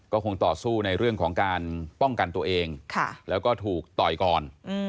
ก็คงต่อสู้ในเรื่องของการป้องกันตัวเองแล้วก็ถูกต่อยก่อน